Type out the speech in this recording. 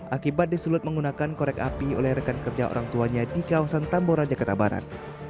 akibat disulut menggunakan korek api oleh rekan kerja orang tuanya di kawasan tambora jakarta barat